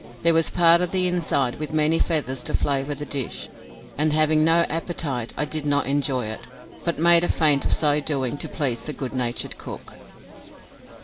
There was part of the inside with many feathers to flavour the dish, and having no appetite, I did not enjoy it, but made a feint of so doing to please the good natured cook.